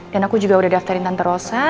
dan aku juga udah daftarin tante rosa